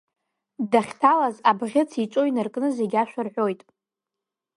Дахьҭалаз, абӷьыц иҿо инаркны зегь ашәа рҳәот.